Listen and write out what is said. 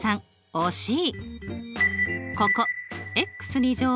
惜しい！